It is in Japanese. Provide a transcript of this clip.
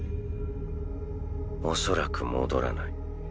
恐らく戻らない。